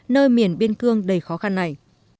nơi miền biên cương đầy khó khăn này